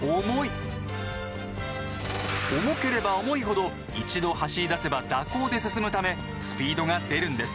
重ければ重いほど一度走り出せば惰行で進むためスピードが出るんです。